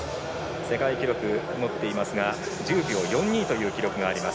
世界記録を持っていますが１０秒４２という記録があります。